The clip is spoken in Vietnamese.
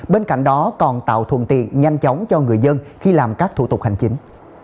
bên cạnh đó còn tạo thuận tiện nhanh chóng cho người dân khi làm các thủ tục hành chính